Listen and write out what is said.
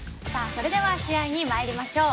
それでは試合にまいりましょう。